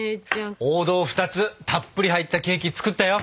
王道２つたっぷり入ったケーキ作ったよ。